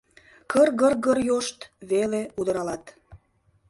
Кыр-гыр-гыр-йошт веле удыралат.